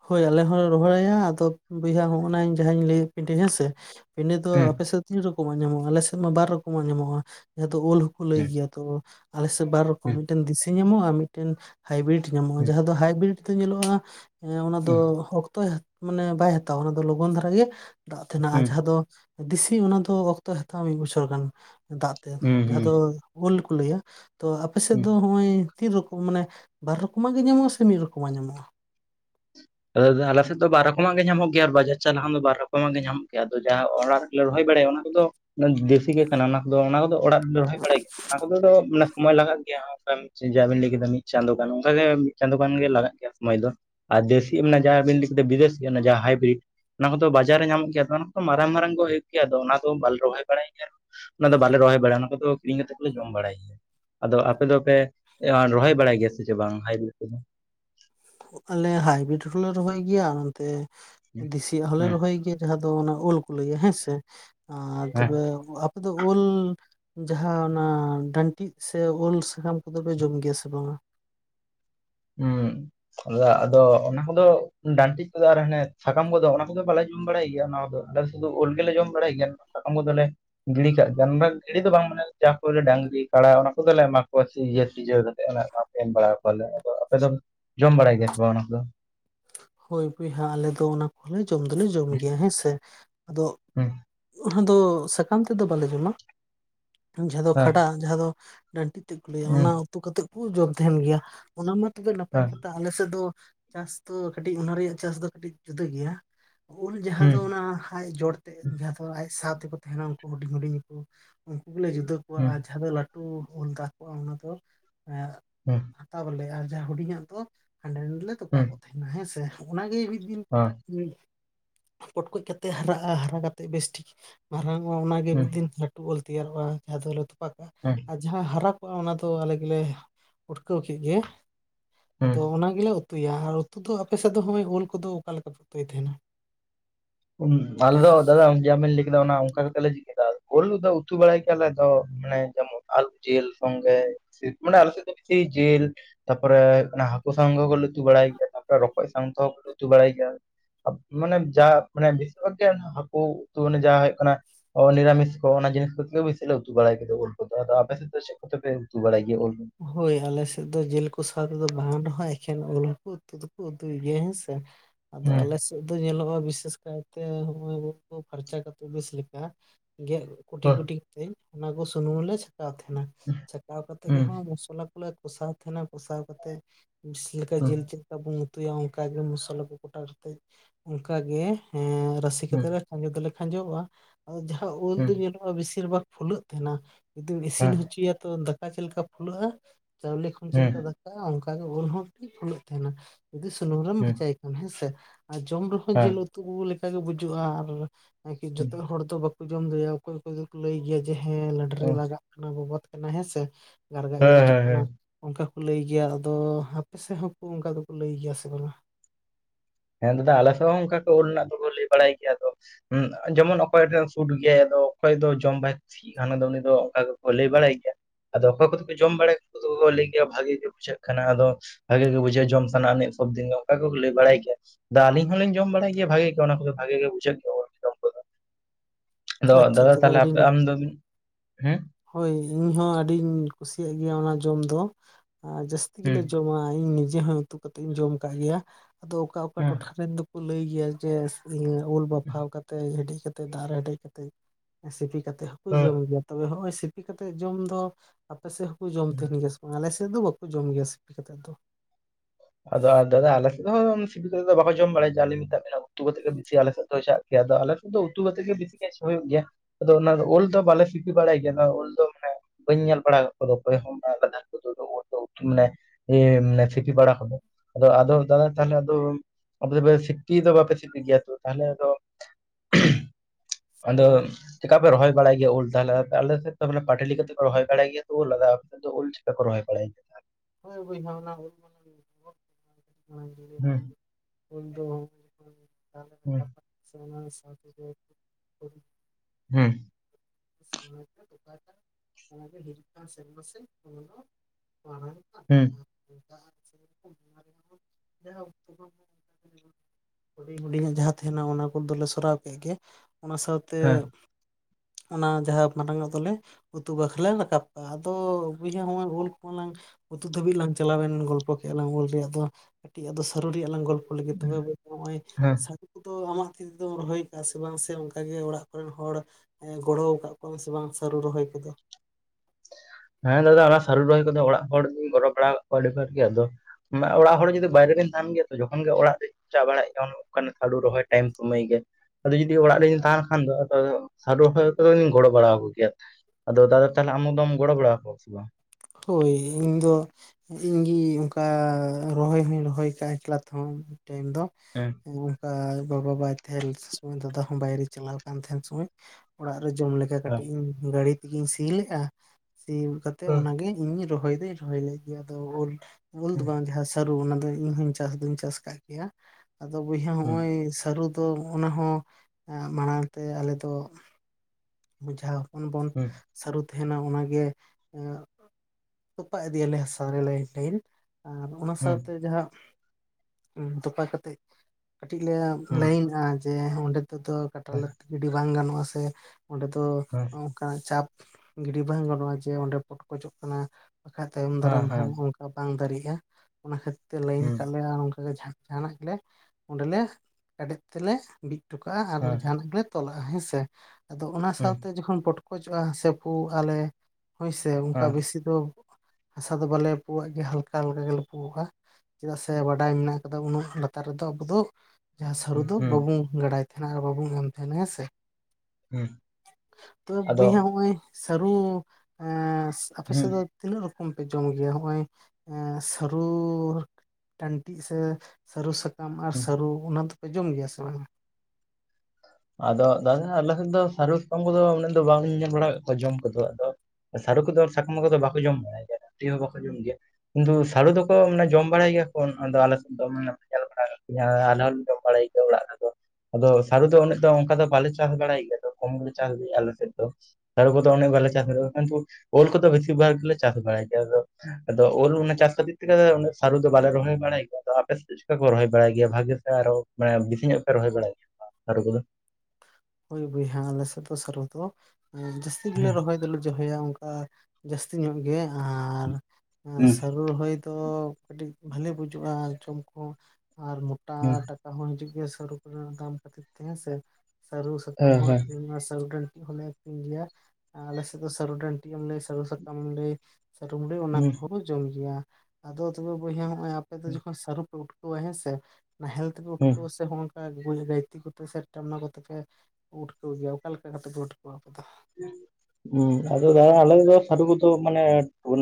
ᱦᱳᱭ ᱟᱞᱮ ᱦᱚᱸᱞᱮ ᱨᱚᱦᱚᱲᱟᱭᱭᱟ ᱟᱫᱚ ᱵᱚᱭᱦᱟ ᱦᱚᱸᱜᱼᱚᱭ ᱡᱟᱦᱟᱸᱧ ᱞᱟᱹᱭᱫ ᱯᱤᱷᱭᱟ ᱦᱮᱸᱥᱮ ᱯᱮᱰ ᱫᱚ ᱟᱯᱮᱮᱥᱮᱫ ᱫᱚ ᱛᱤᱱ ᱯᱟᱱᱴᱮ ᱯᱮᱱᱴᱮ ᱫᱚ ᱨᱚᱠᱚᱢᱟᱜ ᱧᱟᱢᱚᱜᱼᱟ ᱟᱞᱮ ᱥᱮᱫ ᱢᱟ ᱵᱟᱨ ᱨᱚᱠᱚᱢᱟᱜ ᱧᱟᱢᱚᱜᱼᱟ ᱡᱟᱦᱟᱸ ᱫᱚ ᱚᱞ ᱠᱚ ᱞᱟᱹᱭ ᱜᱮᱭᱟ ᱛᱚ ᱟᱞᱮᱮᱥᱮᱫ ᱵᱟᱨ ᱨᱚᱠᱚᱢ ᱢᱤᱫᱴᱮᱱ ᱫᱤᱥᱟᱹ ᱧᱟᱢᱚᱜᱼᱟ ᱢᱤᱫᱴᱮᱱ ᱦᱟᱭᱵᱨᱤᱴ ᱧᱟᱢᱚᱜᱼᱟ ᱡᱟᱦᱟᱸ ᱫᱚ ᱦᱟᱭᱵᱨᱤᱰ ᱫᱚ ᱧᱮᱞᱚᱜᱼᱟ ᱚᱱᱟ ᱫᱚ ᱚᱠᱛᱚᱭ ᱢᱟᱱᱮ ᱵᱟᱭ ᱦᱟᱛᱟᱣᱟ ᱚᱱᱟ ᱫᱚ ᱞᱚᱜᱚᱱ ᱫᱷᱟᱨᱟ ᱜᱮ ᱫᱟᱜ ᱛᱟᱦᱮᱸᱱᱟᱜ ᱡᱟᱦᱟᱸ ᱫᱚ ᱫᱮᱥᱤ ᱚᱱᱟ ᱫᱚ ᱚᱠᱛᱚᱭ ᱦᱟᱛᱟᱣᱟ ᱢᱤᱫ ᱵᱚᱪᱷᱚᱨ ᱜᱟᱱ ᱫᱟᱜ ᱛᱮ᱾ ᱡᱟᱦᱟᱸ ᱫᱚ ᱵᱩᱱ ᱚᱞ ᱠᱚ ᱞᱟᱹᱭᱟ ᱛᱚ ᱟᱯᱮᱥᱮᱫ ᱫᱚ ᱱᱚᱜᱼᱚᱭ ᱛᱤᱱ ᱨᱚᱠᱚᱢ ᱢᱟᱱᱮ ᱵᱟᱨ ᱨᱚᱠᱚᱢᱟᱜ ᱜᱮ ᱧᱟᱢᱚᱜᱼᱟ ᱥᱮ ᱢᱤᱫ ᱨᱚᱠᱚᱢᱟᱜ ᱧᱟᱢᱚᱜᱼᱟ᱾ ᱟ ᱟᱞᱮ ᱥᱮᱫ ᱫᱚ ᱵᱟᱨ ᱨᱚᱠᱚᱢᱟᱜ ᱜᱮ ᱧᱟᱢᱚᱜ ᱜᱮᱭᱟ ᱟᱨ ᱵᱟᱡᱟᱨ ᱪᱟᱞᱟ ᱦᱚᱸ ᱫᱚ ᱵᱟᱨ ᱨᱚᱠᱚᱢᱟᱜ ᱜᱮ ᱧᱟᱢᱚᱜ ᱜᱮᱭᱟ ᱟᱫᱚ ᱡᱟᱦᱟᱸ ᱚᱲᱟᱜ ᱞᱮ ᱨᱚᱦᱚᱭ ᱵᱟᱲᱟᱭᱟ ᱚᱱᱟ ᱠᱚᱫᱚ ᱫᱮᱥᱤ ᱜᱮ ᱠᱟᱱᱟ ᱚᱱᱟ ᱠᱚᱫᱚ ᱚᱱᱟ ᱠᱚᱫᱚ ᱚᱲᱟᱜ ᱨᱚᱦᱚᱭ ᱵᱟᱲᱟᱭ ᱜᱮᱭᱟ ᱚᱱᱟ ᱠᱚᱫᱚᱮ ᱥᱚᱢᱚᱭ ᱞᱟᱜᱟᱜ ᱜᱮᱭᱟ ᱡᱟ ᱵᱮᱤᱱ ᱞᱟᱹᱭ ᱠᱮᱫᱟ ᱢᱤᱫ ᱪᱟᱸᱫᱳᱠᱟᱱ ᱚᱱᱠᱟᱜ ᱜᱮ ᱢᱤᱫ ᱪᱟᱸᱫᱳᱠᱟᱱ ᱜᱮ ᱞᱟᱜᱟᱜ ᱜᱮᱭᱟ ᱥᱚᱢᱳᱭ ᱫᱚ᱾ ᱟᱨ ᱫᱮᱥᱤ ᱢᱮᱱᱟᱜᱼᱟ ᱡᱟᱦᱟᱸ ᱵᱮᱱ ᱞᱟᱹᱭ ᱠᱮᱫ ᱵᱤᱫᱮᱥᱤ ᱡᱟᱦᱟᱸ ᱦᱟᱭᱵᱨᱤᱰ ᱚᱱᱟ ᱠᱚᱫᱚ ᱵᱟᱡᱟᱨ ᱨᱮ ᱧᱟᱢᱚᱜ ᱜᱮᱭᱟ ᱚᱱᱟ ᱠᱚᱫᱚ ᱢᱟᱨᱟᱝ ᱢᱟᱨᱟᱝ ᱠᱚ ᱦᱚᱸ ᱦᱩᱭᱩᱜ ᱜᱮᱭᱟᱼᱟ᱾ ᱚᱱᱟ ᱫᱚ ᱵᱟᱞᱮ ᱨᱚᱦᱚᱭ ᱵᱟᱲᱟᱭ ᱜᱮᱭᱟ᱾ ᱚᱱᱟ ᱫᱚ ᱵᱟᱞᱮ ᱨᱚᱦᱚᱭ ᱵᱟᱲᱟᱭᱟ᱾ ᱚᱱᱟ ᱠᱚᱫᱚ ᱠᱤᱨᱤᱧ ᱠᱟᱛᱮ ᱠᱚᱞᱮ ᱡᱚᱢ ᱵᱟᱲᱟᱭ ᱜᱮᱭᱟ᱾ ᱟᱫᱚ ᱟᱯᱮ ᱫᱚᱯᱮ ᱨᱚᱦᱚᱭ ᱵᱟᱲᱟᱭ ᱜᱮᱭᱟ ᱥᱮ ᱪᱮ ᱵᱟᱝ ᱦᱟᱭᱵ ᱫᱚ? ᱟᱞᱮ ᱦᱟᱭᱵᱨᱤᱰ ᱦᱚᱞᱮ ᱨᱚᱦᱚᱭ ᱜᱮᱭᱟ ᱱᱚᱱᱛᱮ ᱦᱮᱸ ᱫᱮᱥᱤᱭᱟᱜ ᱦᱚᱞᱮ ᱦᱮᱸ ᱨᱚᱦᱚᱭ ᱜᱮᱭᱟ᱾ ᱡᱟᱦᱟᱸ ᱫᱚ ᱚᱱᱟ ᱚᱞ ᱠᱚ ᱞᱟᱹᱭᱟ ᱦᱮᱸᱥᱮ ᱟᱨ ᱛᱚᱵᱮ ᱟᱯᱮ ᱫᱚ ᱚᱞ ᱡᱟᱦᱟᱸ ᱚᱱᱟ ᱰᱟᱹᱱᱴᱜ ᱥᱮ ᱩᱞ ᱥᱟᱠᱟᱢ ᱠᱚᱫᱚᱯᱮ ᱡᱚᱢ ᱜᱮᱭᱟ ᱥᱮ ᱵᱟᱝᱼᱟ? ᱦᱩᱸ ᱟ ᱟᱫᱚ ᱚᱱᱟ ᱠᱚᱫᱚ ᱰᱟᱱᱴᱤᱡ ᱠᱚᱫᱚ ᱟᱨ ᱦᱟᱱᱮ ᱥᱟᱠᱟᱢ ᱠᱚᱫᱚ ᱚᱱᱟ ᱠᱚᱫᱚ ᱵᱟᱞᱮ ᱡᱚᱢ ᱵᱟᱲᱟᱭ ᱜᱮᱭᱟ, ᱚᱱᱟ ᱠᱚᱫᱚ ᱟᱞᱮ ᱥᱩᱫᱩᱞᱮ ᱡᱚᱢ ᱵᱟᱲᱟᱭ ᱜᱮᱭᱟ ᱥᱟᱠᱟᱢ ᱫᱚᱞᱮ ᱜᱤᱰᱤ ᱠᱟᱜ ᱡᱟᱱ ᱜᱤᱲᱰᱤ ᱫᱚ ᱵᱟᱝ ᱜᱩᱴᱤ ᱵᱟᱲᱟᱭ ᱜᱮᱭᱟ ᱢᱟᱱᱮ ᱡᱟᱦᱟᱸ ᱠᱚᱨᱮ ᱰᱟᱝᱨᱤ ᱠᱟᱲᱟ ᱚᱱᱟ ᱠᱚᱫᱚᱞᱮ ᱮᱢᱟ ᱠᱚᱣᱟ ᱥᱡᱟᱹ ᱥᱤᱡᱟᱹᱣ ᱠᱟᱛᱮ ᱮᱢ ᱵᱟᱲᱟ ᱠᱚᱣᱟᱞᱮ ᱟᱫᱚ ᱟᱯᱮ ᱫᱚ ᱡᱚᱢ ᱵᱟᱲᱟᱭ ᱜᱮᱭᱟ ᱥᱮ ᱵᱟᱝ ᱚᱱᱟ ᱠᱚᱫᱚ᱾ ᱦᱳᱭ ᱵᱚᱭᱦᱟ ᱟᱞᱮ ᱫᱚ ᱚᱱᱟ ᱠᱚᱦᱚᱸ ᱡᱚᱢ ᱫᱚᱞᱮ ᱡᱚᱢ ᱜᱮᱭᱟ ᱦᱮᱸᱥᱮ ᱟᱫᱚ᱾ ᱦᱮᱸ ᱚᱱᱟ ᱫᱚ ᱥᱟᱠᱟᱢ ᱛᱮᱫᱚ ᱵᱟᱞᱮ ᱡᱚᱢᱟ ᱡᱟᱦᱟᱸ ᱫᱚ ᱦᱮᱸ ᱠᱷᱟᱰᱟ ᱡᱟᱦᱟᱸ ᱫᱚ ᱰᱟᱹᱱᱴᱤ ᱛᱮᱫ ᱠᱚ ᱞᱟᱹᱭᱟ ᱦᱩᱸ ᱚᱱᱟ ᱩᱛᱩ ᱠᱟ ᱠᱟᱛᱮᱮᱫ ᱠᱚ ᱡᱚᱢ ᱛᱟᱦᱮᱱ ᱜᱮᱭᱟ ᱚᱱᱟ ᱢᱟ ᱛᱚᱵᱮ ᱱᱟᱯᱟᱭ ᱦᱮᱸ ᱠᱟᱛᱷᱟ ᱟᱞᱮᱥᱮᱫ ᱫᱚ ᱪᱟᱥ ᱫᱚ ᱠᱟᱹᱴᱤᱡ ᱚᱱᱟ ᱨᱮᱭᱟᱜ ᱪᱟᱥ ᱫᱚ ᱠᱟᱹᱴᱤᱡ ᱡᱩᱫᱟᱹ ᱜᱮᱭᱟ᱾ ᱩᱞ ᱡᱟᱦᱟᱸ ᱫᱚ ᱦᱩᱸ ᱚᱱᱟ ᱟᱡ ᱡᱚᱴ ᱡᱟᱦᱟᱸ ᱫᱚ ᱟᱡ ᱥᱟᱶᱛᱮᱠᱚ ᱛᱟᱦᱮᱱᱟ ᱡᱟᱦᱟ ᱫᱚ ᱟᱭᱥᱟᱶ ᱛᱮ ᱩᱱᱠᱩ ᱦᱩᱰᱤᱧ ᱦᱩᱰᱤᱧ ᱟᱠᱠᱩ ᱩᱱᱠᱩ ᱜᱮᱞᱮ ᱡᱩᱫᱟᱹ ᱠᱚᱣᱟ ᱦᱩᱸ ᱟᱨ ᱡᱟᱦᱟᱸ ᱫᱚ ᱞᱟᱹᱴᱩ ᱮᱠᱴᱩ ᱚᱞᱫᱟ ᱠᱚᱜᱼᱟ ᱚᱱᱟ ᱫᱚ ᱮ ᱦᱮᱸ ᱦᱟᱛᱣᱟ ᱵᱟᱟᱞᱮ ᱟᱨ ᱡᱟᱦᱟᱸ ᱦᱩᱰᱤᱧᱟᱜ ᱫᱚ ᱦᱟᱸᱰᱮ ᱱᱟᱰᱮ ᱞᱮ ᱛᱚᱯᱟ ᱦᱩᱸ ᱠᱚᱜ ᱛᱟᱦᱮᱱᱟ ᱦᱮᱸᱥᱮ ᱚᱱᱟᱜᱮ ᱢᱤᱫ ᱫᱤᱱ ᱦᱩᱸ ᱦᱮᱸ ᱯᱚᱴᱠᱚᱡ ᱠᱟᱛᱮ ᱦᱟᱨᱟᱜᱼᱟ ᱦᱟᱨᱟ ᱠᱟᱛᱮ ᱵᱮᱥ ᱴᱷᱤᱠ ᱢᱟᱨᱟᱝ ᱚᱚᱜᱼᱟ ᱚᱱᱟᱜᱮ ᱦᱩᱸ ᱢᱤᱫ ᱫᱤᱱ ᱞᱟᱹᱴᱩ ᱚᱞ ᱛᱮᱭᱟᱨᱚᱜᱼᱟ ᱡᱟᱦᱟᱸ ᱫᱚᱞᱮ ᱛᱚᱯᱟᱜ ᱠᱟᱜᱼᱟ᱾ ᱦᱮᱸ ᱟᱨ ᱡᱟᱦᱟᱸ ᱦᱟᱨᱟ ᱠᱚᱜᱼᱟ ᱚᱱᱟ ᱫᱚ ᱟᱞᱮ ᱜᱮᱞᱮ ᱩᱴᱠᱟᱹᱣ ᱠᱮᱫ ᱜᱮ ᱦᱩᱸ ᱟᱫᱚ ᱚᱱᱟ ᱜᱮᱞᱮ ᱩᱴᱩ ᱠᱟᱶ ᱩᱛᱩᱭᱟ ᱟᱨ ᱩᱛᱩ ᱫᱚ ᱟᱯᱮᱥᱮᱫ ᱫᱚᱜᱚᱭ ᱚᱞ ᱠᱚᱫᱚ ᱚᱠᱟ ᱞᱮᱠᱟ ᱯᱮ ᱩᱛᱩᱭ ᱛᱟᱦᱮᱱᱟ᱾ ᱟᱞᱮ ᱫᱚ ᱫᱟᱫᱟ ᱡᱟᱢᱧ ᱞᱟᱹᱭ ᱠᱮᱫᱟ ᱚᱱᱟ ᱚᱱᱠᱟ ᱠᱟᱛᱮ ᱞᱮ ᱡᱷᱤᱠ ᱠᱮᱫᱟ ᱵᱳᱞ ᱫᱚ ᱩᱛᱩ ᱵᱟᱲᱟᱭ ᱠᱮᱭᱟ ᱞᱮ ᱛᱚ᱾ ᱢᱟᱱᱮ ᱡᱮᱢᱚᱱ ᱟᱞᱩ ᱡᱮᱞ ᱥᱚᱝᱜᱮ ᱢᱟᱱᱮ ᱟᱞᱩ ᱥᱛᱮ ᱥᱮ ᱡᱮᱞ ᱛᱟᱨᱯᱚᱨᱮ ᱦᱟᱹᱠᱩ ᱥᱟᱝ ᱦᱚᱸᱠᱚᱞᱮ ᱩᱛᱩ ᱵᱟᱲᱟᱭ ᱜᱮᱭᱟ ᱛᱟᱯᱚᱨᱮ ᱨᱠᱚᱡ ᱥᱟᱝ ᱠᱚᱚᱸᱠᱚ ᱩᱛᱩ ᱵᱟᱲᱟᱭ ᱜᱮᱭᱟ᱾ ᱢᱟᱱᱮ ᱡᱟ ᱢᱟᱱᱮ ᱵᱮᱥ ᱦᱚᱨ ᱵᱷᱟᱜᱽ ᱜᱮ ᱦᱟᱹᱠᱩ ᱩᱛᱩ ᱡᱟ ᱦᱩᱭᱩᱜ ᱠᱟᱱᱟ᱾ ᱚ ᱱᱤᱨᱟᱢᱤᱥ ᱠᱚ ᱚᱱᱟ ᱡᱤᱱᱤᱥ ᱠᱚ ᱜᱮ ᱵᱤᱥᱤ ᱞᱮ ᱩᱛᱩ ᱵᱟᱲᱟᱭ ᱠᱮᱫ ᱞᱮ ᱟᱯᱮ ᱥᱮᱫ ᱫᱚ ᱪᱮᱫ ᱟᱯᱮ ᱩᱛᱩ ᱵᱟᱲᱟᱭ ᱜᱮᱭᱟᱹ ᱚᱞ? ᱦᱳᱭ ᱟᱞᱮ ᱥᱮᱫ ᱫᱚ ᱡᱮᱞ ᱠᱚ ᱥᱟᱣ ᱵᱟᱝ ᱨᱮᱦᱚᱸ ᱮᱠᱷᱮᱱ ᱩᱞ ᱦᱚᱸ ᱠᱚ ᱩᱛᱩ ᱫᱚᱠᱚ ᱩᱛᱩᱭ ᱜᱮᱭᱟ ᱦᱮᱸᱥᱮ᱾ ᱟᱫᱚ ᱟᱞᱮ ᱥᱮ ᱱᱤᱛᱚᱜ ᱫᱚ ᱧᱮᱞᱚᱜᱼᱟ ᱵᱤᱥᱮᱥ ᱠᱟ. ᱭᱛᱮᱭ ᱠᱚ ᱯᱷᱟᱨᱪᱟ ᱠᱟᱛᱮᱫ ᱵᱮᱥ ᱞᱮᱠᱟ ᱜᱮᱫ ᱠᱩᱴᱤ ᱦᱩᱸ ᱠᱩᱴᱤ ᱠᱟᱛᱮ ᱚᱱᱟ ᱠᱚ ᱥᱩᱱᱩᱢ ᱞᱮ ᱪᱷᱟᱠᱟᱣ ᱛᱟᱦᱮᱸ ᱱᱟ ᱪᱷᱟᱠᱟᱣ ᱠᱟᱛᱮ ᱦᱩᱸ ᱢᱚᱥᱞᱟ ᱠᱚᱞᱮ ᱠᱚᱥᱟᱣ ᱛᱟᱦᱮᱸᱱᱟ ᱠᱚᱥᱟᱣ ᱠᱟᱛᱮ ᱞᱮᱠᱟ ᱡᱤᱞ ᱦᱩᱸ ᱪᱮ ᱪᱮᱫ ᱠᱟ ᱵᱚᱱ ᱩᱛᱩᱭᱟ ᱚᱱᱠᱟ ᱜᱮ ᱢᱚᱥᱞᱟ ᱠᱚ ᱠᱚᱴᱟ ᱠᱟᱛᱮᱜ ᱚᱱᱠᱟ ᱜᱮ ᱨᱟᱥᱮ ᱦᱩᱸ ᱠᱟᱛᱮᱜ ᱠᱷᱟᱸᱡᱚ ᱫᱚᱞᱮ ᱠᱷᱟᱸᱡᱚᱼᱟ ᱟ ᱡᱟᱦᱟᱸ ᱩᱞ ᱦᱩᱸ ᱫᱚ ᱧᱮᱞᱚᱜᱼᱟ ᱵᱮᱥᱤᱨ ᱵᱷᱟᱜᱽ ᱯᱷᱩᱞᱟᱹᱜ ᱛᱟᱦᱮ ᱱᱟ᱾ ᱡᱩᱫᱤᱢ ᱤᱥᱤᱱ ᱦᱮᱸ ᱦᱚᱪᱚᱭᱟ ᱛᱚ ᱫᱟᱠᱟ ᱪᱮᱫ ᱞᱮᱠᱟ ᱯᱷᱩᱞᱟᱹᱜᱼᱟ ᱪᱟᱣᱞᱮ ᱠᱷᱚᱱ ᱪᱮᱫ ᱦᱮᱸ ᱦᱮᱸ ᱞᱮᱠᱟ ᱫᱟᱠᱟ ᱚᱱᱠᱟᱜ ᱜᱮ ᱩᱞ ᱦᱚᱸ ᱯᱷᱩᱞᱟᱹᱜ ᱛᱟᱦᱮᱱᱟ ᱡᱩᱫᱤ ᱥᱩᱱᱩᱢ ᱨᱮᱢ ᱦᱮᱸ ᱵᱷᱮᱡᱟᱭ ᱠᱷᱟᱱ ᱦᱮᱸᱥᱮ ᱟᱨ ᱡᱚᱢ ᱨᱮᱦᱚᱸ ᱡᱤᱞ ᱦᱮᱸ ᱩᱛᱩ ᱞᱮᱠᱟ ᱜᱮ ᱵᱩᱡᱩᱜᱼᱟ ᱟᱨᱠᱤ ᱡᱚᱛᱚ ᱦᱚᱲ ᱫᱚ ᱡᱚᱢ ᱫᱟᱲᱮᱭᱟᱜ-ᱟ ᱚᱠᱚᱭ ᱚᱠᱚᱭ ᱫᱚᱠᱚ ᱞᱟᱹᱭ ᱜᱮᱭᱟ ᱡᱮ ᱦᱮᱸ ᱞᱟᱹᱰᱨᱤ ᱞᱟᱜᱟᱜ ᱠᱟᱱᱟ ᱵᱟᱵᱟᱫ ᱠᱟᱱᱟ ᱦᱮᱸ ᱥᱮ, ᱜᱟᱨᱠᱟ ᱜᱮ ᱦᱮᱸ ᱵᱩᱡᱩᱜ ᱦᱮᱸ ᱠᱟᱱᱟ᱾ ᱦᱮᱸ ᱚᱱᱠᱟ ᱠᱚ ᱞᱟᱹᱭ ᱜᱮᱭᱟ ᱟᱫᱚ ᱦᱟᱯᱮ ᱥᱮᱫ ᱦᱚᱸᱠᱚ ᱚᱱᱠᱟ ᱫᱚᱠᱚ ᱞᱟᱹᱭ ᱜᱮᱭᱟ ᱥᱮ ᱵᱟᱝ-ᱟ? ᱦᱮᱸ ᱫᱟᱫᱟ ᱟᱞᱮᱥᱮᱫ ᱦᱚᱸ ᱚᱱᱠᱟ ᱩᱞ ᱨᱮᱱᱟᱜ ᱫᱚᱠᱚ ᱞᱟᱹᱭ ᱵᱟᱲᱟᱭ ᱜᱮᱭᱟ ᱟᱫᱚ ᱡᱮᱢᱚᱱ ᱚᱠᱚᱭ ᱴᱷᱮᱱ ᱥᱩᱴ ᱜᱮᱭᱟᱭ ᱟᱫᱚ ᱚᱠᱚᱭ ᱫᱚ ᱡᱚᱢ ᱵᱟᱭ ᱴᱷᱤᱠᱟᱱᱟ ᱫᱚ ᱩᱱᱤ ᱫᱚ ᱚᱱᱠᱟ ᱠᱚ ᱞᱟᱹᱭ ᱵᱟᱲᱟᱭ ᱜᱮᱭᱟ᱾ ᱟᱫᱚ ᱚᱠᱚᱭ ᱠᱚᱫᱚ ᱠᱚ ᱡᱚᱢ ᱵᱟᱲᱟᱭ ᱩᱱᱠᱩ ᱫᱚ ᱞᱟᱹᱭ ᱜᱮᱭᱟ ᱵᱷᱟᱜᱤ ᱜᱮ ᱵᱩᱡᱷᱟᱹᱜ ᱠᱟᱱᱟ ᱟᱫᱚ ᱵᱷᱟᱜᱮ ᱜᱮ ᱵᱩᱡᱷᱟᱹᱜᱼᱟ ᱡᱚᱢ ᱥᱟᱱᱟᱢ ᱥᱚᱵ ᱫᱤᱱ ᱜᱮ ᱚᱱᱠᱟ ᱜᱮᱠᱚ ᱞᱟᱹᱭ ᱵᱟᱲᱟᱭ ᱜᱮᱭᱟ ᱛᱟ ᱟᱞᱤᱧ ᱦᱚᱸᱞᱤᱧ ᱡᱚᱢ ᱵᱟᱲᱟᱭ ᱜᱮᱭᱟ ᱵᱷᱮ ᱜᱮ ᱚᱱᱟ ᱠᱚᱫᱚ ᱵᱷᱟᱜᱮ ᱜᱮ ᱵᱩᱡᱷᱟᱹᱜ ᱜᱮᱭᱟ᱾ ᱫᱚ ᱟᱪᱪᱷᱟ ᱫᱟᱫᱟ ᱛᱚᱵᱮ ᱛᱟᱦᱞᱮ ᱟᱹᱰᱤ ᱟᱯᱮ ᱟᱢ ᱱᱟᱯᱟᱭ, ᱫᱚᱢ ᱦᱮᱸ ᱦᱳᱭ ᱤᱧ ᱦᱚ ᱟᱹᱰᱤᱧ ᱠᱩᱥᱤᱭᱟᱜ ᱜᱮᱭᱟ ᱚᱱᱟ ᱡᱚᱢ ᱫᱚ ᱟᱨ ᱡᱟᱹᱥᱛᱤ ᱦᱮᱸ ᱛᱮᱜᱮ ᱡᱚᱢᱟ ᱤᱧ ᱱᱤᱡᱮ ᱦᱚᱸ ᱩᱛᱩ ᱠᱟᱛᱮᱫ ᱤᱧ ᱡᱚᱢ ᱠᱟᱜ ᱜᱮᱭᱟ ᱟᱫᱚ ᱚᱠᱟ ᱚᱠᱟ ᱦᱮᱸ ᱴᱚᱴᱷᱟ ᱨᱮᱱ ᱫᱚ, ᱠᱚ ᱞᱟᱹᱭ ᱜᱮᱭᱟ ᱡᱮ ᱩᱞ ᱵᱟᱯᱷᱟᱣ ᱠᱟᱛᱮ ᱦᱮᱰᱮᱡ ᱠᱟᱛᱮ ᱫᱟᱜ ᱨᱮ ᱦᱮᱰᱮᱡ ᱠᱟᱛᱮ ᱥᱤᱯᱤ ᱠᱟᱛᱮᱜ ᱦᱚᱸᱠᱚ ᱡᱚᱢ ᱜᱮᱭᱟ, ᱛᱚᱵᱮ ᱦᱚᱸᱜᱼᱚᱭ ᱥᱤᱯᱤ ᱠᱟᱛᱮᱜ ᱡᱚᱢ ᱫᱚ ᱟᱯᱮ ᱥᱮᱫ ᱦᱚᱸᱠᱚ ᱡᱚᱢ ᱛᱟᱦᱮᱱ ᱜᱮᱭᱟ ᱥᱮ ᱵᱟᱝ? ᱟᱞᱮ ᱥᱮᱫ ᱫᱚ ᱵᱟᱠᱚ ᱡᱚᱢ ᱜᱮᱭᱟ ᱥᱤᱯᱤ ᱠᱟᱛᱮᱫ ᱫᱚ᱾ ᱟᱫᱚ ᱟᱨ ᱫᱟᱫᱟ ᱟᱞᱮ ᱥᱮᱫ ᱫᱚ ᱦᱚᱸ ᱥᱤᱯᱤ ᱠᱟᱛᱮᱫ ᱫᱚ ᱵᱟᱠᱚ ᱡᱚᱢ ᱵᱟᱲᱟ ᱡᱟ ᱟᱤᱧ ᱢᱮᱛᱟᱜ ᱵᱮᱱᱟ ᱩᱛᱩ ᱠᱟᱛᱮ ᱜᱮ ᱵᱤᱥᱤ ᱟᱞᱮ ᱥᱮᱫ ᱫᱚ ᱪᱟᱜ ᱟᱫᱚ ᱟᱞᱮ ᱫᱚ ᱩᱛᱩ ᱠᱟᱛᱮ ᱜᱮ ᱵᱮᱥᱤ ᱦᱳᱭᱳᱜ ᱜᱮᱭᱟ᱾ ᱟᱫᱚ ᱚᱱᱟ ᱩᱞ ᱫᱚ ᱵᱟᱞᱮ ᱥᱤᱯᱤ ᱵᱟᱲᱟᱭ ᱜᱮᱭᱟ ᱩᱞ ᱫᱚ ᱢᱟᱱᱮ ᱵᱟᱹᱧ ᱧᱮᱞ ᱵᱟᱲᱟ ᱚᱠᱚᱭ ᱦᱚᱸ ᱢᱟᱱᱮ ᱠᱤ ᱩᱞ ᱫᱚ ᱥᱤᱯᱤ ᱵᱟᱲᱟ᱾ ᱟᱫᱚ ᱟᱫᱚ ᱫᱟᱫᱟ ᱛᱟᱞᱦᱮ ᱟᱫᱚ ᱟᱯᱮ ᱫᱚ ᱯᱮ ᱥᱤᱯᱤ ᱫᱚ ᱵᱟᱯᱮ ᱥᱤᱯᱤ ᱜᱮᱭᱟ ᱛᱚ ᱛᱟᱦᱚᱞᱮ ᱟᱫᱚ [inaudible] ᱦᱳᱭ ᱟᱫᱚ ᱟᱨ ᱪᱮᱠᱟᱯᱮ ᱨᱚᱦᱚᱭ ᱵᱟᱲᱟᱭ ᱜᱮᱭᱟ ᱩᱞ ᱛᱟᱦᱚᱞᱮ? ᱟᱞᱮ ᱥᱮᱫ ᱛᱚ ᱯᱟᱴᱞᱤ ᱞᱮᱠᱟ ᱠᱟᱛᱮ ᱠᱚ ᱨᱚᱦ ᱯᱟᱲᱟ ᱜᱮᱭᱟ ᱛᱚ ᱞᱟᱜᱟ ᱪᱤᱠᱟ ᱠᱚ ᱨᱚᱦᱚᱭ ᱵᱟᱲᱟᱭ ᱜᱮᱭᱟ? ᱦᱳᱭ ᱵᱚᱭᱦᱟ ᱚᱱᱟ ᱩᱞ ᱦᱩᱸ ᱦᱚ [unintelligible] ᱦᱩᱸ [unintelligible] ᱦᱮᱸ [unintelligible] [unintelligible] ᱦᱮᱸ᱾ [unintelligible] ᱦᱩᱰᱤᱧ ᱦᱩᱰᱤᱧ-ᱟᱜ ᱡᱟᱦᱟᱸ ᱛᱟᱦᱮᱱᱟ ᱚᱱᱟ ᱠᱚᱫᱚ ᱞᱮ ᱥᱚᱨᱟᱣ ᱠᱮᱫ ᱜᱮ ᱚᱱᱟ ᱥᱟᱶᱛᱮ ᱛᱮ ᱦᱮᱸ ᱚᱱᱟ ᱡᱟᱦᱟᱸ ᱢᱟᱨᱟᱝᱼᱟᱜ ᱫᱚᱞᱮ ᱩᱛᱩ ᱵᱟᱠᱷᱨᱟ ᱞᱮ ᱨᱟᱠᱟᱵ ᱠᱟ᱾ ᱟᱫᱚ ᱵᱚᱭᱦᱟ ᱦᱚᱸᱜ-ᱚᱭ ᱳᱞ ᱠᱚᱞᱟᱝ ᱩᱛᱩ ᱫᱷᱟᱹᱵᱤᱡ ᱞᱟᱝ ᱪᱟᱞᱟᱣᱮᱱ ᱜᱚᱞᱯᱚ ᱠᱮᱫᱼᱟ ᱞᱟᱝ ᱳᱞ ᱨᱮᱭᱟᱜ ᱫᱚ ᱠᱟᱹᱴᱤᱡ ᱟᱫᱚ ᱥᱟᱹᱨᱩ ᱨᱮᱭᱟᱜ ᱞᱟᱝ ᱜᱚᱞᱯᱚ ᱞᱮᱜᱮ ᱛᱚᱵᱮ ᱾ᱱᱚᱜ-ᱚᱭ ᱦᱮᱸ ᱩᱱᱠᱩ ᱫᱚ ᱟᱢᱟᱜ ᱛᱤ ᱛᱮᱫᱢ ᱨᱚᱦᱚᱭ ᱠᱟᱜᱼᱟ ᱥᱮ ᱵᱟᱝ ᱥᱮ ᱚᱱᱠᱟᱜᱮ ᱚᱲᱟᱜ ᱠᱚᱨᱮᱱ ᱦᱚᱲ ᱮᱸ ᱜᱚᱲᱚᱣ ᱠᱟᱜ ᱠᱚᱣᱟᱢ ᱥᱮ ᱵᱟᱝ ᱥᱟᱹᱨᱩ ᱨᱚᱦᱚᱭ ᱠᱚᱫᱚ? ᱦᱮᱸ ᱫᱟᱫᱟ ᱚᱱᱟ ᱥᱟᱹᱨᱩ ᱨᱚᱦᱚᱭ ᱠᱚᱫᱚ ᱚᱲᱟᱜ ᱦᱚᱲ ᱜᱤᱧ ᱜᱚᱨᱚ ᱵᱟᱲᱟᱣᱟᱜ ᱠᱚᱣᱟ ᱟᱹᱰᱤ ᱵᱷᱟᱹᱨ ᱜᱮ ᱟᱫᱚᱼᱼ ᱵᱟ ᱚᱲᱟᱜ ᱦᱚᱲ ᱡᱩᱫᱤ ᱵᱟᱭᱨᱮ ᱨᱮᱧ ᱛᱟᱦᱮᱱ ᱜᱮᱭᱟ ᱥ ᱛᱚ ᱡᱚᱠᱷᱚᱱ ᱜᱮ ᱚᱲᱟᱜ ᱨᱮ ᱪᱟᱵᱟᱭ ᱡᱮᱢᱚᱱᱼᱼ ᱠᱟᱱ ᱥᱟᱲᱩ ᱨᱚᱦᱚᱭ ᱴᱟᱭᱤᱢ ᱥᱚᱢᱟᱹᱭ ᱜᱮ᱾ ᱟᱫᱚ ᱡᱩᱫᱤ ᱚᱲᱟᱜ ᱨᱤᱧ ᱛᱟᱦᱮᱱ ᱠᱷᱟᱱ ᱫᱚ ᱟᱫᱚ ᱥᱟᱨᱩ ᱨᱚᱦᱚᱭ ᱠᱚᱫᱚᱧ ᱜᱚᱲᱚ ᱵᱟᱲᱟᱣ ᱠᱚ ᱜᱮᱭᱟ᱾ ᱟᱫᱚ ᱫᱟᱫᱟ ᱛᱟᱦᱚᱞᱮ ᱟᱢ ᱫᱚᱢ ᱜᱚᱲᱚ ᱵᱟᱲᱟᱣ ᱠᱚᱣᱟ ᱥᱮ ᱵᱟᱝ? ᱦᱳᱭ ᱤᱧ ᱫᱚᱼᱼ ᱤᱧ ᱜᱤ ᱩᱱᱠᱟ ᱨᱚᱦᱚᱭ ᱦᱩᱧ ᱨᱚᱦᱚᱭ ᱠᱟᱜ-ᱟ ᱮᱠᱞᱟ ᱛᱮᱦᱚᱸ ᱢᱤᱜ ᱴᱟᱭᱤᱢ ᱫᱚ᱾ ᱦᱮᱸ᱾ ᱚᱱᱠᱟ ᱜᱚ ᱵᱟᱵᱟᱭ ᱛᱟᱦᱮᱸ ᱞᱮᱱ ᱥᱚᱢᱚᱭ ᱫᱟᱫᱟ ᱦᱚᱸ ᱵᱟᱭᱨᱮ ᱪᱟᱞᱟᱣ ᱠᱟᱱ ᱛᱟᱦᱮᱸᱱ ᱥᱚᱢᱚᱭᱼᱼ ᱚᱲᱟᱜ ᱨᱮ ᱡᱚᱢ ᱞᱮᱠᱟ ᱦᱮᱸ ᱠᱟᱹᱴᱤᱡ ᱤᱧ ᱜᱟᱲᱤ ᱛᱮᱜᱤᱧ ᱥᱤ ᱞᱮᱜ-ᱟ ᱥᱤ ᱠᱟᱛᱮᱜ ᱦᱮᱸ ᱚᱱᱟ ᱜᱮᱼᱼ ᱤᱧ ᱨᱚᱦᱚᱭ ᱫᱩᱧ ᱨᱚᱦᱚᱭ ᱞᱮᱜ ᱜᱮᱭᱟ ᱟᱫᱚ ᱦᱩᱞ ᱵᱷᱩᱞ ᱫᱩ ᱵᱟᱝ ᱡᱟᱦᱟᱸᱼᱼ ᱥᱟᱨᱩ ᱚᱱᱟ ᱫᱚ ᱤᱧ ᱦᱩᱧ ᱪᱟᱥ ᱫᱩᱧ ᱪᱟᱥ ᱠᱟᱜ ᱜᱮᱭᱟ, ᱟᱫᱚ ᱵᱩᱭᱦᱟ ᱦᱚᱸᱜ-ᱚᱸᱭ ᱥᱟᱨᱩᱼᱼ ᱛᱚ ᱚᱱᱟ ᱦᱚᱸ ᱮ ᱢᱟᱬᱟᱝ ᱛᱮ ᱟᱞᱮ ᱫᱚᱼᱼ ᱵᱩᱡᱷᱦᱟ ᱦᱚᱯᱚᱱ ᱵᱚᱱ ᱦᱮᱸ ᱥᱟᱹᱨᱩ ᱛᱮᱦᱮᱱᱟ ᱚᱱᱟ ᱜᱮᱼ ᱮᱸᱜ ᱛᱚᱯᱟ ᱤᱫᱤ ᱭᱟᱞᱮ ᱦᱟᱥᱟ ᱨᱮ ᱞᱟᱹᱭᱤᱱ ᱞᱟᱹᱭᱤᱱ ᱟᱨᱼᱼ ᱚᱱᱟ ᱦᱮᱸ ᱦᱮᱸ ᱥᱟᱶᱛᱮ ᱡᱟᱦᱟᱸ ᱮᱸ ᱛᱚᱯᱟ ᱠᱟᱛᱮᱜ ᱠᱟᱹᱴᱤᱡ ᱞᱮ ᱦᱮᱸ ᱞᱟᱹᱭᱤᱱ-ᱟᱼᱼ ᱡᱮ ᱚᱸᱰᱮ ᱛᱮᱫᱚ ᱠᱟᱴᱟ ᱦᱮᱸ ᱦᱮᱸ ᱞᱟᱹᱴᱷᱤ ᱜᱤᱰᱤ ᱵᱟᱝ ᱜᱟᱱᱚᱜ-ᱟ ᱥᱮ ᱚᱸᱰᱮ ᱫᱚ ᱦᱮᱸ ᱦᱮᱸ ᱦᱮᱸ ᱦᱮᱸ ᱦᱮᱸ ᱚᱸᱜᱻᱼᱼ ᱠᱟ ᱪᱟᱯ ᱜᱤᱰᱤ ᱵᱟᱝ ᱜᱟᱱᱚᱜ-ᱟ ᱡᱮ ᱚᱸᱰᱮ ᱯᱚᱴᱠᱚᱪᱚᱜ ᱠᱟᱱᱟ ᱵᱟᱠᱷᱟᱡ ᱛᱟᱭᱚᱢ ᱫᱟᱨᱟᱢ ᱵᱷᱟᱝ ᱚᱝᱠᱼᱼ ᱠᱟ ᱵᱟᱝ ᱫᱟᱹᱨᱤᱜ-ᱟ ᱚᱱᱟ ᱠᱷᱟᱹᱛᱤᱨ ᱛᱮ ᱞᱟᱹᱭᱤᱱ ᱠᱟᱜ ᱞᱮ ᱟ ᱚᱱᱠᱟ ᱜᱮ ᱡᱷᱟᱸᱼᱼ ᱡᱟᱦᱟᱸ ᱱᱟᱜ ᱜᱮᱞᱮ ᱚᱸᱰᱮ ᱞᱮ ᱠᱟᱰᱮᱡ ᱛᱮᱞᱮ ᱵᱤᱫ ᱴᱩ ᱠᱟᱜ-ᱟ ᱟᱨ ᱡᱟᱦᱟᱸ ᱱᱟᱜ ᱜᱮᱞᱮᱼᱼ ᱛᱚᱞᱟᱜ-ᱟ ᱦᱮᱸ ᱥᱮ ᱟᱫᱚ ᱚᱱᱟ ᱥᱟᱶᱛᱮ ᱡᱚᱠᱷᱚᱱ ᱯᱚᱴᱠᱚᱪᱚᱜ-ᱟ ᱥᱮ ᱯᱩᱣ ᱟᱞᱮᱼᱼ ᱥᱮ ᱚᱱᱠᱟ ᱵᱮᱥᱤ ᱫᱚ ᱦᱟᱥᱟ ᱫᱚ ᱵᱟᱞᱮ ᱯᱩᱣᱟᱜ ᱜᱮᱭᱟ ᱦᱟᱞᱠᱟ ᱦᱟᱞᱠᱟ ᱜᱮᱞᱮ ᱯᱩᱣᱟᱜ-ᱟ᱾ ᱪᱮᱫᱟᱜ ᱥᱮ ᱵᱟᱰᱟᱭ ᱢᱮᱱᱟᱜ ᱠᱟᱫᱟ ᱩᱱᱟᱹᱜ ᱞᱟᱛᱟᱨ ᱨᱮᱫᱚ ᱟᱹᱵᱩ ᱫᱚᱼᱼ ᱡᱟᱦᱟᱸ ᱥᱟᱹᱨᱩ ᱫᱚ ᱦᱮᱸ ᱦᱮᱸ ᱵᱟᱹᱵᱩᱱ ᱜᱟᱰᱟᱭ ᱛᱮᱦᱮᱱᱟ ᱟᱨ ᱵᱟᱹᱵᱩᱱ ᱮᱢ ᱛᱷᱮᱦᱮᱱᱟ ᱦᱮᱸ ᱥᱮ᱾ ᱦᱮᱸ ᱛᱚ ᱟᱫᱚ ᱵᱩᱭᱦᱟ ᱦᱚᱸᱜ-ᱚᱸᱭ ᱥᱟᱹᱨᱩ ᱮᱸᱥ ᱼᱼ ᱟᱯᱮ ᱦᱮᱸ ᱥᱮᱜ ᱦᱮᱸ ᱫᱚᱼᱼ ᱛᱤᱱᱟᱹᱜ ᱨᱚᱠᱚᱢ ᱯᱮ ᱡᱚᱢ ᱜᱮᱭᱟ ᱦᱚᱸᱜ-ᱚᱸᱭ ᱮᱸ ᱥᱟᱹᱨᱩ ᱴᱟᱹᱱᱴᱤᱡ ᱥᱮᱼᱼ ᱥᱟᱹᱨᱩ ᱥᱟᱠᱟᱢ ᱟᱨ ᱥᱟᱹᱨᱩ ᱚᱱᱟ ᱫᱚᱯᱮ ᱡᱚᱢ ᱜᱤᱭᱟ ᱥᱮ ᱵᱟᱝᱟ? ᱟᱫᱚ ᱫᱟᱫᱟ ᱟᱞᱮ ᱥᱮᱜ ᱫᱚ ᱥᱟᱨᱩ ᱥᱟᱠᱟᱢ‌ ᱠᱚᱫᱚ ᱩᱱᱟᱹᱜ ᱫᱚ ᱵᱟᱝ ᱞᱤᱧ ᱧᱮᱞ ᱵᱟᱲᱟᱣ ᱠᱟᱜ ᱠᱚᱣᱟ ᱡᱚᱢ ᱠᱚᱫᱚ ᱟᱫᱚᱼᱼ ᱥᱟᱨᱩ ᱠᱚᱫᱚ ᱟᱨ ᱥᱟᱠᱟᱢ ᱠᱚᱫᱚ ᱵᱟᱠᱚ ᱡᱚᱢ ᱵᱟᱲᱟᱭ ᱜᱮᱭᱟ ᱟᱱᱴᱤᱜ ᱦᱚᱸ ᱵᱟᱠᱚ ᱡᱚᱢ ᱜᱮᱭᱟ᱾ ᱠᱤᱱᱛᱩ ᱥᱟᱲᱩ ᱫᱚᱠᱚ ᱢᱟᱱᱮ ᱡᱚᱢ ᱵᱟᱲᱟᱭ ᱜᱮᱭᱟ ᱠᱚ ᱚᱱ ᱟᱞᱮ ᱥᱮᱱ ᱫᱚ ᱢᱟᱱᱮ ᱧᱮᱞ ᱵᱟᱲᱟᱼᱼ ᱭᱟ ᱟᱞᱮ ᱦᱚᱸᱞᱮ ᱡᱚᱢ ᱵᱟᱲᱟᱭ ᱜᱮᱭᱟ ᱚᱲᱟᱜ ᱨᱮᱫᱚ ᱟᱫᱚ ᱥᱟᱨᱩ ᱫᱚ ᱚᱱᱮᱼᱼ ᱫᱚ ᱚᱱᱠᱟ ᱫᱚ ᱵᱟᱞᱮ ᱪᱟᱥ ᱵᱟᱲᱟᱭ ᱜᱮᱭᱟ ᱟᱫᱚ ᱠᱚᱢ ᱜᱮᱞᱮ ᱪᱟᱥ ᱜᱮᱭᱟ ᱟᱞ ᱥᱮᱡ ᱫᱚ᱾ ᱥᱟᱲᱩ ᱠᱚᱫᱚ ᱩᱱᱟᱹᱜ ᱵᱟᱞᱮ ᱪᱟᱥ ᱨᱮᱦᱚᱸ ᱠᱤᱱᱛᱩ ᱳᱞ ᱠᱚ ᱫᱚ ᱵᱮᱥᱤᱨ ᱵᱷᱟᱜᱽ ᱜᱮᱞᱮ ᱪᱟᱥ ᱵᱟᱲᱟᱭ ᱜᱮᱭᱟ, ᱟᱫᱚᱼᱼ ᱟᱫᱚ ᱳᱞ ᱚᱱᱟ ᱪᱟᱥ ᱠᱷᱟᱹᱛᱤᱨ ᱛᱮᱜᱮ ᱚᱱᱮ ᱥᱟᱨᱩ ᱫᱚ ᱵᱟᱞᱮ ᱨᱚᱦᱚᱭ ᱵᱟᱲᱟᱭ ᱜᱮᱭᱟ, ᱟᱫᱚ ᱟᱯᱮ ᱥᱮᱡᱼᱼ ᱪᱮᱜ ᱠᱟ ᱠᱚ ᱨᱚᱦᱚᱭ ᱵᱟᱲᱟᱭ ᱜᱮᱭᱟ ᱵᱷᱟᱜᱤ ᱯᱮ ᱟᱨᱚ ᱢᱟᱱᱮ ᱵᱤᱥᱤ ᱧᱚᱜ ᱯᱮ ᱨᱚᱦᱚᱭ ᱵᱟᱲᱟᱭᱟ ᱥᱮ ᱵᱟᱝ ᱥᱟᱨᱩ ᱠᱚᱫᱚ? ᱦᱳᱭ ᱵᱩᱭᱦᱟ ᱟᱞᱮ ᱥᱮᱜ ᱫᱚ ᱥᱟᱹᱨᱩ ᱫᱚ ᱮᱸᱻ ᱡᱟᱹᱥᱛᱤ ᱜᱤᱞᱮ ᱨᱚᱦᱚᱭᱼᱼ ᱫᱚᱞᱮ ᱡᱚᱦᱚᱭᱟ ᱚᱱᱠᱟ ᱡᱟᱹᱥᱛᱤ ᱧᱚᱜ ᱜᱮ ᱟᱨ ᱟᱸᱻ ᱦᱩᱸ ᱥᱟᱹᱨᱩ ᱨᱚᱦᱚᱭᱼᱼ ᱛᱚ ᱠᱟᱹᱴᱤᱡ ᱵᱷᱟᱞᱤ ᱵᱩᱡᱩᱜ-ᱟ ᱡᱚᱢ ᱠᱩᱦᱚᱸ ᱟᱨ ᱢᱚᱴᱟ ᱦᱩᱸ ᱴᱟᱠᱼᱼ ᱠᱟ ᱦᱚᱸ ᱦᱤᱡᱩᱜ ᱜᱮᱭᱟ ᱥᱟᱹᱨᱩ ᱠᱚᱨᱮ ᱱᱟᱜ ᱫᱟᱢ ᱠᱷᱟᱹᱛᱤᱨ ᱛᱮ ᱦᱮᱸ ᱥᱮ᱾ ᱥᱟᱹᱨᱩ ᱥᱟᱠᱟᱢ ᱦᱮᱸ ᱦᱚᱸ ᱦᱮᱸ ᱟᱹᱠᱷᱨᱤᱧᱚᱜ-ᱟ ᱥᱟᱹᱨᱩ ᱰᱟᱹᱱᱴᱤᱡ ᱦᱚᱸᱞᱮᱼᱼ ᱷᱠᱤᱨᱤᱧ ᱜᱤᱭᱟ ᱟᱸᱻ ᱟᱞᱮ ᱥᱮᱜ ᱫᱚ ᱥᱟᱹᱨᱩ ᱰᱟᱹᱱᱴᱤᱡ ᱮᱢ ᱞᱟᱹᱭ ᱥᱟᱹᱨᱩ ᱥᱟᱠᱟᱢᱮᱢ ᱞᱟᱹᱭ ᱥᱟᱹᱨᱩᱢ ᱞᱟᱹᱭ ᱚᱱᱟ ᱦᱩᱸ ᱠᱩᱦᱚᱸᱼᱼ ᱡᱚᱢ‌ ᱜᱮᱭᱟ ᱟᱫᱚ ᱛᱚᱵᱮ ᱵᱚᱭᱦᱟ ᱦᱚᱸᱜ-ᱚᱸᱭ ᱟᱯᱮ ᱫᱚ ᱡᱚᱠᱷᱚᱱ ᱥᱟᱹᱨᱩ ᱯᱮ ᱩᱴᱠᱟᱹᱣᱟ ᱦᱮᱸ ᱥᱮ ᱱᱟᱦᱮᱞ ᱼᱼ ᱛᱮᱯᱮ ᱦᱩᱸ ᱩᱴᱠᱟᱹᱣᱟ ᱥᱮ ᱦᱚᱸᱜ-ᱚᱱᱠᱟ ᱜᱩ ᱜᱟᱹᱭᱛᱤ ᱠᱚᱛᱮ ᱥᱮ ᱴᱟᱝᱜᱟ ᱠᱚᱼᱼ ᱛᱮᱯᱮ ᱩᱴᱠᱟᱹᱣ ᱜᱮᱭᱟ ᱚᱠᱟ ᱞᱮᱠᱟ ᱠᱟᱛᱮᱜ ᱯᱮ ᱩᱴᱠᱟᱹᱣᱟ ᱟᱯᱮ ᱫᱚ? ᱩᱸ ᱟᱫᱚ ᱫᱟᱫᱟ ᱟᱞᱮ ᱫᱚ ᱥᱟᱨᱩ ᱠᱩ ᱫᱚ ᱢᱟᱱᱮ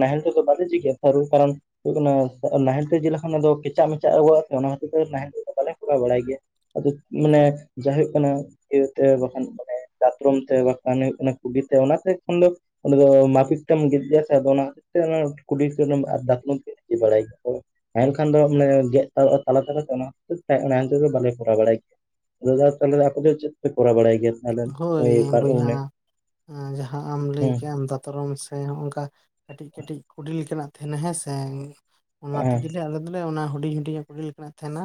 ᱱᱟᱦᱮᱞ ᱛᱮᱫᱚ ᱵᱟᱞᱮ ᱡᱷᱤᱜᱟ ᱥᱟᱨᱩ ᱠᱟᱨᱚᱱᱼᱼ ᱦᱩᱭᱩᱜ ᱠᱟᱱᱟ ᱥᱮ ᱱᱟᱦᱮᱞ ᱛᱮ ᱡᱮ ᱞᱮᱠᱷᱟᱱ ᱟᱫᱚ ᱠᱮᱪᱟᱜ ᱢᱮᱪᱟᱜᱚᱜ ᱛᱚ ᱚᱱᱮ ᱚᱱᱟ ᱠᱷᱟᱹᱛᱤᱨ ᱛᱮ ᱱᱟᱦᱮᱞ ᱛᱮ ᱫᱚ ᱵᱟᱞᱮ ᱠᱚᱨᱟᱣ ᱵᱟᱲᱟᱭ ᱜᱤᱭᱟ᱾ ᱟᱫᱚ ᱢᱟᱱᱮ ᱡᱟ ᱦᱩᱭᱩᱜ ᱠᱟᱱᱟ ᱤᱭᱟᱹ ᱛᱮ ᱵᱟᱠᱷᱟᱱ ᱢᱟᱱᱮ ᱫᱟᱛᱨᱚᱢ ᱛᱮ ᱵᱟᱠᱼᱼ ᱠᱷᱟᱱ ᱦᱩᱭᱩᱜ ᱠᱟᱱᱟ ᱠᱩᱰᱤ ᱛᱮ ᱚᱱᱟ ᱛᱮ ᱮᱠᱷᱚᱱ ᱫᱚᱼᱼ ᱚᱸᱰᱮ ᱫᱚ ᱢᱟᱨᱠᱮᱴ ᱴᱟᱢ [inaudible] ᱥᱮ ᱟᱫᱚ ᱚᱱᱟ ᱠᱷᱟᱹᱛᱤᱨ ᱛᱮ ᱚᱱᱟ ᱠᱩᱞᱤ [inaudible] ᱰᱟᱠᱱᱟᱢ ᱪᱮᱫ‌ ᱤ ᱵᱟᱲᱟᱭ [inaudible] ᱛᱟᱦᱮᱸᱱ ᱠᱷᱟᱱ ᱫᱚ ᱢᱟᱱᱮ ᱜᱮᱫ [inaudible] ᱛᱟᱞᱟ ᱛᱟᱞᱟᱛᱮ ᱚᱱᱟ ᱠᱷᱟᱹᱛᱤᱨ ᱛᱮ [unintelligible] ᱵᱟᱞᱮ ᱠᱚᱨᱟᱣ ᱵᱟᱲᱟᱭ ᱜᱮᱭᱟ ᱫᱟᱫᱟ ᱛᱟᱦᱚᱞᱮ ᱟᱯᱮ ᱫᱚ ᱪᱮᱫ ᱯᱮ ᱠᱚᱨᱟᱣ ᱵᱟᱲᱟᱭ ᱜᱮᱭᱟ ᱛᱟᱦᱞᱮ ᱦᱳᱭ ᱵᱚᱭᱦᱟ [inaudible] ᱡᱟᱦᱟᱸ ᱟᱢ ᱞᱟᱹᱭ ᱠᱮᱜ ᱟᱢ ᱫᱟᱛᱨᱚᱢ ᱥᱮ ᱱᱚᱜ ᱚᱝᱠᱟ ᱠᱟᱹᱴᱤᱡ ᱠᱟᱹᱴᱤᱡ ᱠᱩᱰᱤ ᱞᱮᱠᱟᱱᱟᱜ ᱛᱟᱦᱮᱱᱟ ᱦᱮᱸᱥᱮ, ᱚᱱᱟ ᱦᱮᱸ ᱛᱮᱜᱮᱞᱮ ᱟᱞᱮ ᱫᱚᱞᱮ ᱚᱱᱟ ᱦᱩᱰᱤᱧ ᱦᱩᱰᱤᱧᱟᱜ ᱠᱩᱰᱤ ᱞᱮᱠᱟᱱᱟᱜ ᱛᱟᱦᱮᱱᱟ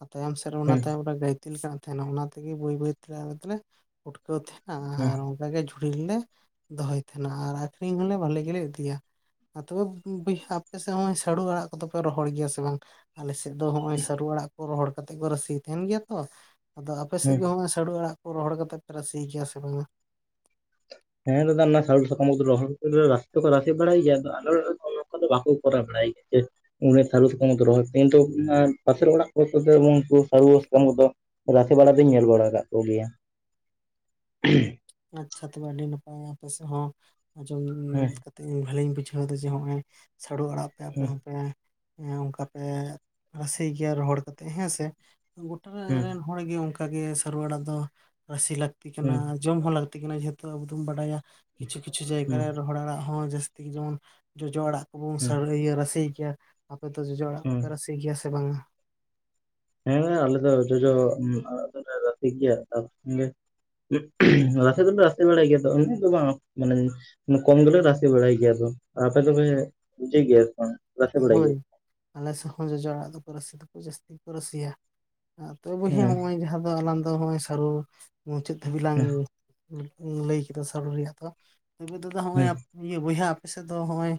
ᱟᱨ ᱛᱟᱭᱚᱢ ᱥᱮᱫ ᱨᱮ ᱚᱱᱟ ᱦᱮᱸ ᱛᱟᱭᱚᱢ ᱨᱮ ᱜᱟᱹᱭᱛᱤ ᱞᱮᱠᱟᱱᱟᱜ ᱛᱟᱦᱮᱱᱟ ᱚᱱᱟ ᱛᱮᱜᱮ ᱵᱟᱹᱭ ᱵᱟᱹᱭ ᱛᱮ ᱟᱞᱮ ᱫᱚᱞᱮ ᱩᱴᱠᱟᱹᱣ ᱛᱟᱦᱮᱫ ᱦᱮᱸ ᱟᱨ [unintelligible] ᱚᱱᱠᱟᱜᱮ ᱡᱷᱩᱲᱤ ᱨᱮᱞᱮ ᱫᱚᱦᱚᱭ ᱛᱟᱦᱮᱸᱱᱟ ᱟᱨ ᱟᱠᱷᱨᱤᱧ ᱦᱚᱸᱞᱮ ᱵᱟᱞᱮ ᱜᱮᱞᱮ ᱤᱫᱤᱭᱟ [inaudible] ᱟᱯᱮ ᱥᱮᱫ ᱦᱚᱸᱜ ᱚᱭ ᱥᱟᱹᱨᱩ ᱟᱲᱟᱜ ᱠᱚᱫᱚ ᱯᱮ ᱨᱚᱦᱚᱭ ᱜᱮᱭᱟ ᱥᱮ ᱵᱟᱝ? ᱟᱞᱮᱥᱮᱫ ᱫᱚ ᱦᱚᱸᱜ ᱚᱭ ᱥᱟᱹᱨᱩ ᱟᱲᱟᱜ ᱠᱚ ᱨᱚᱦᱚᱲ ᱠᱟᱛᱮᱜ ᱠᱚ ᱨᱟᱥᱮ ᱛᱟᱦᱮᱱ ᱜᱮᱭᱟ ᱛᱚ ᱟᱫᱚ ᱟᱯᱮᱮᱥᱮᱫ ᱦᱮᱸ ᱜᱮ [unintelligible] ᱥᱟᱹᱨᱩ ᱟᱲᱟᱜ ᱠᱚ ᱨᱚᱦᱚᱲ ᱠᱟᱛᱮᱫ ᱯᱮ ᱨᱟᱥᱮ ᱜᱮᱭᱟ ᱥᱮ ᱵᱟᱝᱟ? ᱦᱮᱸ ᱫᱟᱫᱟ ᱚᱱᱟ ᱥᱟᱹᱨᱩ ᱥᱟᱠᱟᱢ ᱠᱚᱫᱚ ᱨᱚᱦᱚᱲ ᱠᱟᱛᱮ ᱨᱟᱥᱮ ᱫᱚᱠᱚ ᱨᱟᱥᱨ ᱵᱟᱲᱟᱭ ᱜᱮᱭᱟ ᱛᱚ ᱟᱞᱮ ᱚᱲᱟᱜ ᱨᱮ ᱫᱚ [unintelligible] ᱟᱫᱚ ᱵᱟᱠᱚ ᱠᱚᱨᱟᱣ ᱵᱟᱲᱟᱭ [inaudible] ᱪᱮᱫ? ᱚᱱᱮ ᱥᱟᱹᱨᱩ ᱥᱟᱠᱟᱢ [inaudible] ᱨᱚᱦᱚᱭ ᱠᱤᱱᱛᱩ ᱯᱟᱥᱮᱨ ᱚᱲᱟᱜ ᱠᱚ [unintelligible] ᱩᱱᱠᱩ ᱥᱟᱹᱨᱩ ᱥᱟᱠᱟᱢ ᱠᱚ ᱫᱚ ᱻᱻ ᱨᱟᱥᱮ ᱵᱟᱲᱟ ᱫᱩᱧ ᱧᱮᱞ ᱵᱟᱲᱟ ᱠᱟᱜ ᱠᱚ ᱜᱮᱭᱟ ᱟᱪᱪᱷᱟ ᱛᱚᱵᱮ ᱟᱹᱰᱤ ᱱᱟᱯᱟᱭ ᱟᱯᱮ ᱥᱮᱫ ᱦᱚᱸ ᱟᱸᱡᱚᱢ ᱦᱮᱸ [unintelligible] ᱤᱧ ᱵᱷᱟᱹᱞᱤᱧ ᱵᱩᱡᱷᱟᱹᱣ ᱫᱟ ᱡᱮ ᱱᱚᱜᱼᱚᱭ ᱥᱟᱹᱨᱩ ᱟᱲᱟᱜ ᱯᱮ ᱟᱯᱮ ᱦᱮᱸ ᱦᱚᱸ ᱯᱮ ᱦᱮᱸ ᱚᱱᱠᱟ ᱯᱮ ᱨᱟᱥᱮ ᱜᱮᱭᱟ ᱨᱚᱦᱚᱲ ᱠᱟᱛᱮ ᱦᱮᱸᱥᱮ ᱜᱚᱴᱟ ᱦᱮᱸ ᱨᱮᱱ ᱦᱚᱭ ᱜᱮ ᱚᱱᱠᱟ ᱜᱮ ᱥᱟᱹᱨᱩ ᱟᱲᱟᱜ ᱫᱚ ᱨᱟᱥᱮ ᱞᱟᱹᱠᱛᱤ ᱠᱟᱱᱟ ᱦᱮᱸ ᱡᱚᱢ ᱦᱚᱸ ᱞᱟᱹᱠᱛᱤ ᱠᱟᱱᱟ ᱡᱮᱦᱮᱛᱩ ᱟᱵᱚ ᱫᱚᱢ ᱵᱟᱰᱟᱭᱟ ᱠᱤᱪᱷᱩ ᱠᱤᱪᱷᱩ ᱡᱟᱭᱜᱟ ᱦᱮᱸ ᱨᱮ ᱨᱚᱦᱚᱲ ᱟᱲᱟᱜ ᱦᱚᱸ ᱡᱟᱹᱥᱛᱤ ᱡᱮᱢᱚᱱ ᱡᱚᱡᱚ ᱟᱲᱟᱜ ᱠᱚᱵᱚᱱ ᱦᱮᱸ [unintelligible] ᱨᱟᱥᱮ ᱜᱮᱭᱟ ᱟᱯᱮ ᱫᱚ ᱡᱚᱡᱚ ᱟᱲᱟᱜ ᱠᱚᱯᱮ ᱨᱟᱥᱮ ᱜᱮᱭᱟ ᱥᱮ ᱵᱟᱝᱟ ᱦᱮᱸ ᱟᱞᱮ ᱫᱚ ᱡᱚᱡᱚ ᱟᱲᱟᱜ ᱫᱚᱞᱮ ᱨᱟᱥᱮ ᱜᱮᱭᱟ [inaudible] [inaudible] ᱨᱟᱥᱮ ᱫᱚᱞᱮ ᱨᱟᱥᱮ ᱵᱟᱲᱟᱭ ᱜᱮᱭᱟ ᱛᱚ ᱩᱱᱟᱹᱜ ᱫᱚ ᱵᱟᱝ ᱢᱟᱱᱮ ᱠᱚᱢ ᱜᱮᱞᱮ ᱨᱟᱥᱮ ᱵᱟᱲᱟᱭ ᱜᱮᱭᱟ ᱫᱚ ᱟᱯᱮ ᱫᱚ ᱯᱮ ᱵᱩᱡᱟᱹᱭ ᱜᱮᱭᱟ ᱥᱮ ᱵᱟᱝ ᱨᱟᱥᱮ ᱵᱟᱲᱟᱭ ᱜᱮᱭᱟ ᱦᱳᱭ ᱟᱞᱮ ᱥᱮᱫ ᱦᱚᱸ ᱡᱚᱡᱚ ᱟᱲᱟᱜ ᱫᱚᱠᱚ ᱨᱟᱥᱮ ᱫᱚᱠᱚ ᱡᱟᱹᱥᱛᱤ ᱠᱚ ᱨᱟᱥᱮᱭᱟ ᱟᱨ ᱛᱚ ᱵᱚᱭᱦᱟ ᱦᱮᱸ ᱱᱚᱜᱼᱚᱭ ᱡᱟᱦᱟᱸ ᱫᱚ ᱟᱞᱟᱝ ᱫᱚ ᱱᱚᱜᱼᱚᱭ ᱥᱟᱹᱨᱩ ᱢᱩᱪᱟᱹᱫ ᱫᱷᱟᱹᱵᱤᱡ ᱞᱟᱝ ᱦᱮᱸ ᱞᱟᱹᱭ ᱠᱮᱫᱟ ᱥᱟᱹᱨᱩ ᱨᱮᱭᱟᱜ ᱫᱚ [unintelligible] ᱫᱟᱫᱟ ᱦᱚᱸᱜᱼᱚᱭ ᱦᱮᱸ ᱤᱭᱟᱹ ᱵᱚᱭᱦᱟ ᱟᱯᱮᱥᱮᱫ ᱫᱚ ᱦᱚᱸᱜ ᱚᱭ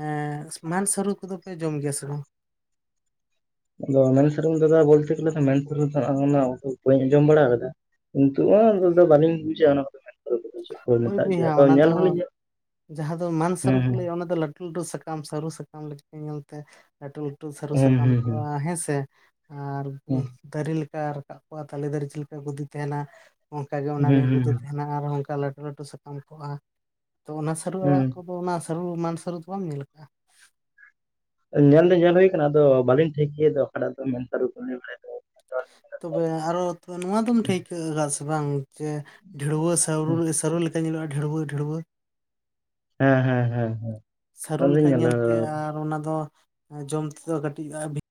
ᱮᱸ ᱢᱟᱱ ᱥᱟᱹᱨᱩ ᱠᱚᱫᱚ ᱯᱮ ᱡᱚᱢ ᱜᱮᱭᱟ ᱥᱮ ᱵᱟᱝ ᱟᱫᱚ ᱢᱮᱱ ᱥᱮᱨᱚᱢ ᱫᱟᱫᱟ ᱵᱚᱞᱛᱮ ᱜᱮᱞᱮ ᱥᱮ ᱢᱮᱱ ᱥᱟᱹᱨᱩ [inaudible] ᱚᱱᱟ ᱩᱠᱩᱨ ᱵᱟᱹᱧ ᱟᱸᱡᱚᱢ ᱵᱟᱲᱟ ᱟᱠᱟᱫᱟ ᱠᱤᱱᱛᱩ [inaudible] ᱥᱚᱵ ᱫᱚ ᱵᱟᱹᱞᱤᱧ ᱵᱩᱡᱟ ᱚᱱᱟ ᱠᱚᱫᱚ ᱥᱟᱹᱨᱩ ᱠᱚᱫᱚ ᱪᱮᱫ ᱠᱚ ᱦᱳᱭ ᱢᱮᱛᱟᱜ ᱜᱮᱭᱟ ᱵᱚᱭᱦᱟ ᱟᱫᱚ ᱚᱱᱟ ᱧᱮᱞ ᱫᱚ ᱦᱚᱸᱞᱤᱧ ᱧᱮᱞ ᱡᱟᱦᱟᱸ ᱫᱚ ᱢᱟᱱ ᱥᱟᱹᱨᱩ ᱦᱮᱸ ᱠᱚ ᱦᱮᱸ ᱞᱟᱹᱭᱟ ᱚᱱᱟ ᱫᱚ ᱞᱟᱹᱴᱩ [inaudible] ᱥᱟᱠᱟᱢ ᱥᱟᱹᱨᱩ ᱥᱟᱠᱟᱢ ᱞᱮᱠᱟ ᱧᱮᱞᱛᱮ ᱞᱟᱹᱴᱩ ᱞᱟᱹᱴᱩ ᱥᱟᱹᱨᱩ ᱦᱩᱸ ᱥᱟᱠᱟᱢ ᱦᱩᱸ ᱠᱚᱣᱟ ᱦᱮᱸᱥᱮ ᱟᱨ ᱦᱩᱸ ᱫᱟᱨᱮ ᱞᱮᱠᱟ ᱨᱟᱠᱟᱵ ᱠᱚᱜᱼᱟ ᱛᱟᱞᱮ ᱫᱟᱨᱮ ᱪᱮᱫ ᱞᱮᱠᱟ ᱜᱚᱫᱤ ᱛᱟᱦᱮᱱᱟ ᱚᱱᱠᱟ ᱜᱮ ᱚᱱᱟ ᱦᱩᱸ ᱨᱮᱭᱟᱜ ᱜᱩᱫᱤ ᱦᱩᱸ ᱛᱟᱦᱮᱱᱟ ᱟᱨ ᱚᱱᱠᱟ ᱞᱟᱹᱴᱩ ᱞᱟᱹᱴᱩ ᱥᱟᱠᱟᱢ ᱠᱚᱜᱼᱟ ᱛᱚ ᱚᱱᱟ ᱥᱟᱹᱨᱩ ᱦᱩᱸ ᱟᱲᱟᱜ ᱠᱚ ᱛᱚ ᱚᱱᱟ ᱥᱟᱹᱨᱩ ᱢᱟᱱ ᱥᱟᱹᱨᱩ ᱫᱚ ᱵᱟᱢ ᱧᱮᱞ ᱟᱠᱟᱜᱼᱟ ᱧᱮᱞ ᱫᱚ ᱧᱮᱞ ᱦᱩᱭ ᱟᱠᱟᱱᱟ ᱟᱫᱚ ᱵᱟᱹᱞᱤᱧ ᱴᱷᱟᱹᱭᱠᱟᱹ ᱮᱫᱟ ᱚᱠᱟᱴᱟᱜ ᱫᱚ ᱢᱮᱱ ᱥᱟᱹᱨᱩ ᱠᱚ [inaudible] ᱛᱚᱵᱮ ᱟᱨᱚ ᱛᱚ ᱱᱚᱣᱟ ᱫᱚᱢ ᱴᱷᱟᱹᱭᱠᱟᱹ ᱠᱟᱜ-ᱟ ᱥᱮ ᱵᱟᱝ ᱥᱮ ᱰᱷᱟᱹᱲᱩᱣᱟᱹ [unintelligible] ᱥᱟᱹᱨᱩ ᱞᱮᱠᱟ ᱧᱮᱞᱚᱜᱼᱟ ᱰᱷᱟᱹᱲᱩᱣᱟᱹ ᱰᱷᱟᱲᱩᱣᱟᱹ ᱦᱮᱸ ᱦᱮᱸ ᱦᱮᱸ ᱦᱮᱸ ᱥᱟᱹᱨᱩ ᱟᱫᱚᱧ ᱞᱮᱠᱟ ᱧᱮᱞᱟ ᱧᱮᱞᱛᱮ ᱟᱨ ᱚᱱᱟ ᱫᱚ ᱟᱸᱡᱚᱢ ᱛᱮᱫᱚ ᱠᱟᱹᱴᱤᱡ [inaudible]